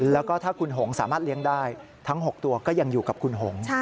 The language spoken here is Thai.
แล้วก็ถ้าคุณหงษ์สามารถเลี้ยงได้ทั้ง๖ตัวก็ยังอยู่กับคุณหง